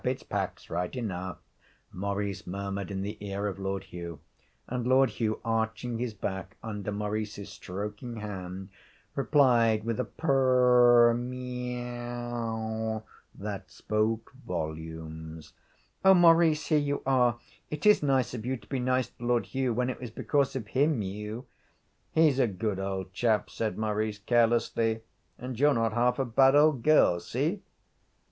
It's Pax right enough,' Maurice murmured in the ear of Lord Hugh. And Lord Hugh, arching his back under Maurice's stroking hand, replied with a purrrr meaow that spoke volumes. 'Oh, Maurice, here you are. It is nice of you to be nice to Lord Hugh, when it was because of him you ' 'He's a good old chap,' said Maurice, carelessly. 'And you're not half a bad old girl. See?'